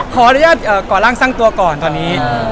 ขอรี่ยาดก่อร่างสังตัวก่อนตอนนี้